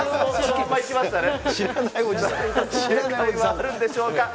正解はあるんでしょうか。